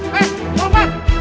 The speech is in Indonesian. makasih ya pak ya